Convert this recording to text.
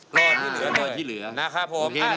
ลองเอาที่เหลือนะครับผมโอเคนะ